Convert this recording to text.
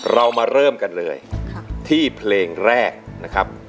เรามาเริ่มกันเลยที่เพลงแรกนะครับ